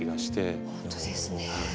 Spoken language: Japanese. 本当ですね。